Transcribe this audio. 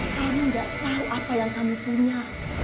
kamu gak tahu apa yang kamu punya